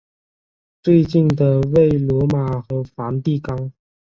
最近的为罗马和梵蒂冈。